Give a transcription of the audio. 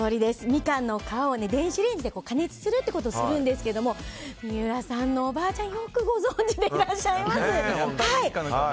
ミカンの皮を電子レンジで加熱するってことをするんですけども三浦さんのおばあちゃんよくご存じでいらっしゃいます。